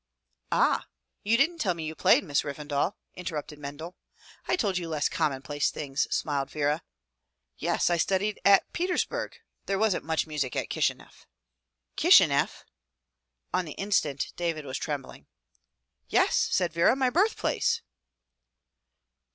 "Ah, you didn't tell me you played, Miss Revendal," inter rupted Mendel. "I told you less commonplace things," smiled Vera. "Yes, I studied at Petersburg. There wasn't much music at Kishineff —'' "Kishineff !" On the instant David was trembling. "Yes," said Vera, "my birthplace!"